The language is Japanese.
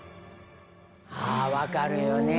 あぁ分かるよね。